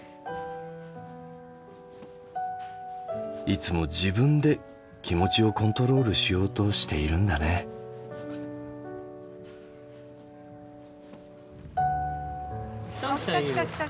いつも自分で気持ちをコントロールしようとしているんだね。来た来た来た来た！